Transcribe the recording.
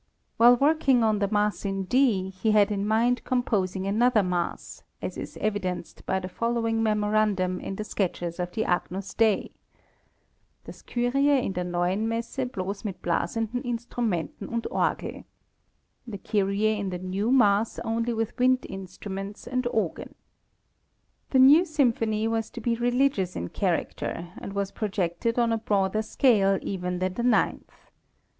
While working on the Mass in D, he had in mind composing another mass, as is evidenced by the following memorandum in the sketches of the Agnus Dei: "Das Kyrie in der neuen Messe bloss mit blasenden Instrumenten und Orgel." (The Kyrie in the new Mass only with wind instruments and organ.) The new Symphony was to be religious in character, and was projected on a broader scale even than the Ninth.